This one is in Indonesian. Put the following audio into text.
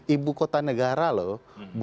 ibu kota negara loh